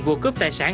vua cướp tài sản